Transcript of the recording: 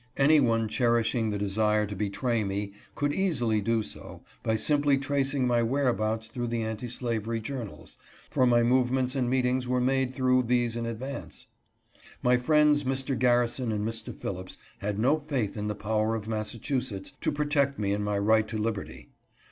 Any one cherishing the desire to betray me could easily do so by simply tracing my whereabouts through the anti slavery journals, for my movements and meetings were made through these in ad vance. My friends Mr. Garrison and Mr. Phillips had no faith in the power of Massachusetts to protect me in my right to liberty.